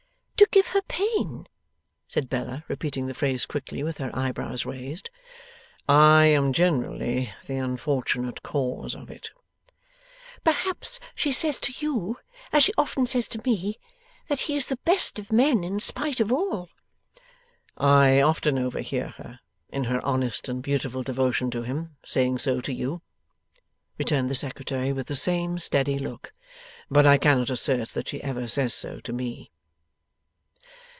'To give her pain?' said Bella, repeating the phrase quickly, with her eyebrows raised. 'I am generally the unfortunate cause of it.' 'Perhaps she says to you, as she often says to me, that he is the best of men, in spite of all.' 'I often overhear her, in her honest and beautiful devotion to him, saying so to you,' returned the Secretary, with the same steady look, 'but I cannot assert that she ever says so to me.